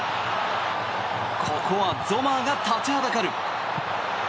ここはゾマーが立ちはだかる。